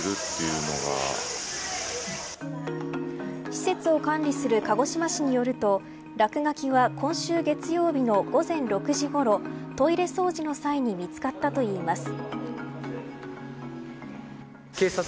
施設を管理する鹿児島市によると落書きは今週月曜日の午前６時ごろトイレ掃除の際に見つかったといいます。